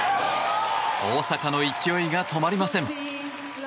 大坂の勢いが止まりません。